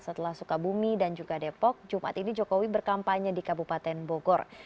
setelah sukabumi dan juga depok jumat ini jokowi berkampanye di kabupaten bogor